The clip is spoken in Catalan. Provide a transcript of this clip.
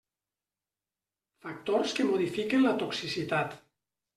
Factors que modifiquen la toxicitat.